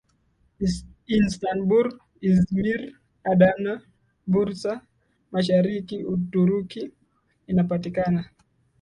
Istanbul Izmir Adana Bursa Mashariki Uturuki inapakana